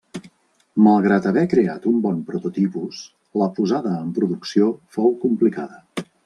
Malgrat haver creat un bon prototipus, la posada en producció fou complicada.